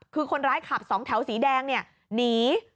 คือคนร้ายขับสองแถวสีแดงเนี่ยหนี